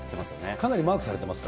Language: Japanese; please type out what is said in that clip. かなりマークされてますか。